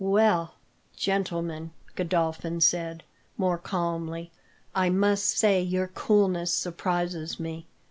"Well, gentlemen," Godolphin said, more calmly, "I must say your coolness surprises me.